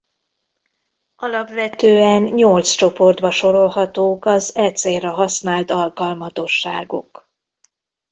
Alapvetően nyolc csoportba sorolhatók az e célra használt alkalmatosságok.